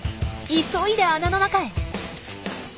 急いで穴の中へ。